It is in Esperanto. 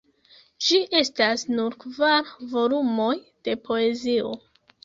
Ĝi estas nur kvar volumoj de poezio.